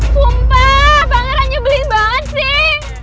sumpah pangeran nyebelin banget sih